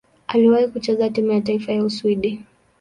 Aliwahi kucheza timu ya taifa ya Uswidi.